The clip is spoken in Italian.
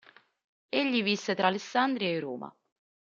Egli visse tra Alessandria e Roma.